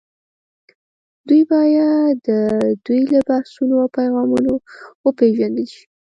دوی باید د دوی له بحثونو او پیغامونو وپېژندل شي